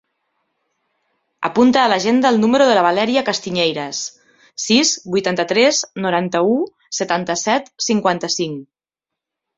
Apunta a l'agenda el número de la Valèria Castiñeiras: sis, vuitanta-tres, noranta-u, setanta-set, cinquanta-cinc.